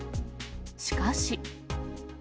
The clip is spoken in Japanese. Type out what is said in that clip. しかし。